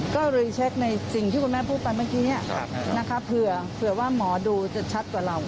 ก็เลยเช็คในสิ่งที่คุณแม่พูดไปเมื่อกี้เผื่อว่าหมอดูจะชัดกว่าเรา